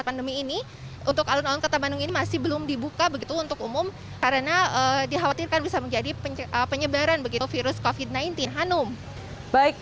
dan mungkin disini juga bisa menjelaskan bahwa